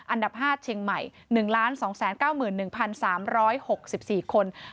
อันดับ๕เชียงใหม่๑๒๙๑๓๖๔คน